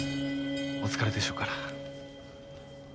お疲れでしょうから。